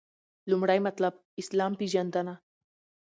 لومړی مطلب : اسلام پیژندنه